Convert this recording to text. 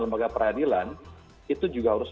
lembaga peradilan itu juga harus